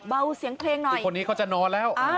เบาเสียงเพลงหน่อยคนนี้เขาจะนอนแล้ว